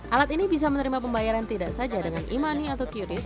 alat ini bisa menerima pembayaran tidak saja dengan e money atau qris